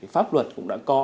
pháp luật cũng đã có